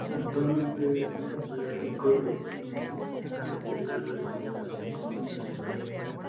Actualmente es catedrático de lingüística general y teoría de la comunicación en dicha universidad.